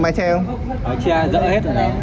máy xe rỡ hết rồi